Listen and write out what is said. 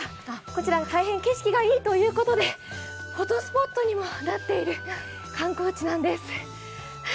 こちらは大変景色がいいということで、フォトスポットにもなっている観光地なんです。